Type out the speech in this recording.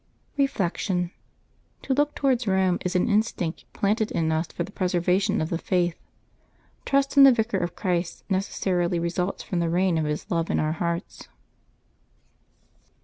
Reflection. — To look towards Eome is an instinct planted in us for the preservation of the Faith. Trust in the Vicar of Christ necessarily results from the reign of His love in our hearts.